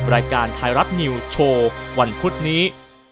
รายการไทยรัฐนิวโชว์วันพุธนี้